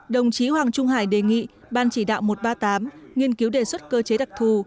đồng chí hoàng trung hải đề nghị ban chỉ đạo một trăm ba mươi tám nghiên cứu đề xuất cơ chế đặc thù